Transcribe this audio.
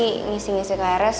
aku ini masih ngisi ngisi krs